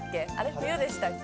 冬でしたっけ？